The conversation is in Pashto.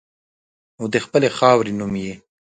او د خپلې خاورې نوم یې